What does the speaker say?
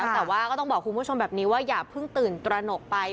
แต่ว่าก็ต้องบอกคุณผู้ชมแบบนี้ว่าอย่าเพิ่งตื่นตระหนกไป